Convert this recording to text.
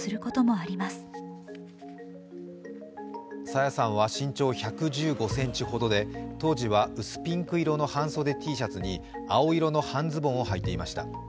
朝芽さんは身長１１５ｃｍほどで当時は薄ピンク色の半袖Ｔシャツに青色の半ズボンをはいていました。